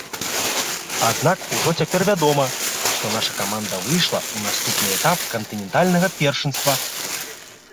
Аднак ужо цяпер вядома, што наша каманда выйшла ў наступны этап кантынентальнага першынства.